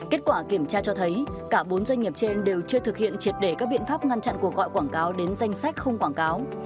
kết quả kiểm tra cho thấy cả bốn doanh nghiệp trên đều chưa thực hiện triệt để các biện pháp ngăn chặn cuộc gọi quảng cáo đến danh sách không quảng cáo